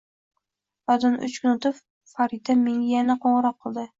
Oradan uch kun o`tib, Farida menga yana qo`ng`iroq qildi